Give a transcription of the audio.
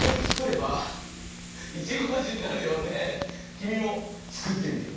きみもつくってみてくれ！